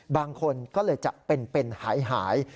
บางคนก็เลยจะเป็นหาย